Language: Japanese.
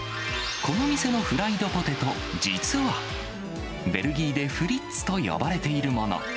この店のフライドポテト、実はベルギーでフリッツと呼ばれているもの。